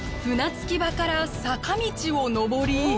船着き場から坂道を上り。